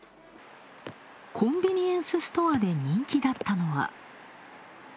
コンビニエンスストアで人気だったのは。